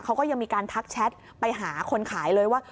เขาก็ยังมีการทักแชทไปหาคนขายเลยว่า